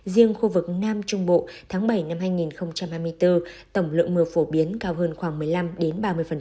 riêng khu vực nam trung bộ tháng bảy năm hai nghìn hai mươi bốn tổng lượng mưa phổ biến cao hơn khoảng một mươi năm đến ba mươi